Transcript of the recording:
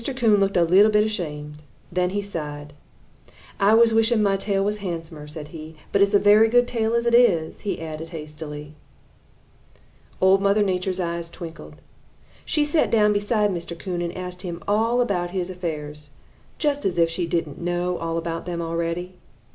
Coon looked a little bit ashamed. Then he sighed. 'I was wishing that my tail was handsomer,' said he. 'But it is a very good tail as it is,' he added hastily. "Old Mother Nature's eyes twinkled. She sat down beside Mr. Coon and asked him all about his affairs, just as if she didn't know all about them already.